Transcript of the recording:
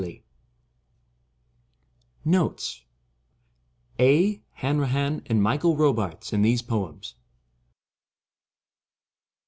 72 *Aedh,' 'Hanrahan' and 'Michael robartes ' in these poems.